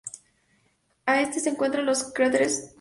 Al este se encuentran los cráteres Kundt y Davy.